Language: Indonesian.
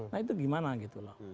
nah itu gimana gitu loh